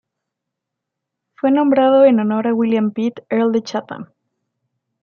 Fue nombrado en honor a William Pitt, Earl de Chatham.